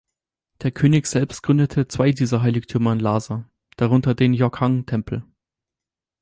Der König selbst gründete zwei dieser Heiligtümer in Lhasa, darunter den Jokhang-Tempel.